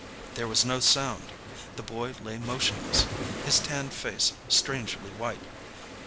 There was no sound. The boy lay motionless, his tanned face strangely white.